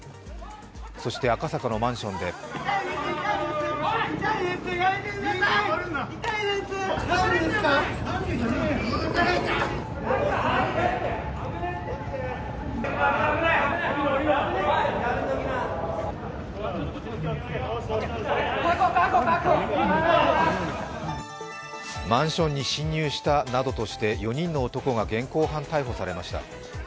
そして赤坂のマンションでマンションに侵入したなどとして４人の男が現行犯逮捕されました。